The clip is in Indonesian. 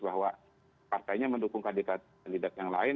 bahwa partainya mendukung kandidat kandidat yang lain